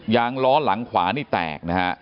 งล้อหลังขวานี่แตกนะฮะ